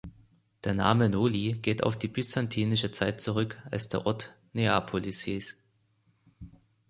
Der Name Noli geht auf die byzantinische Zeit zurück, als der Ort Neapolis hieß.